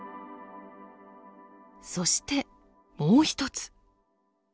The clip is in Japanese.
そしてもう一つ。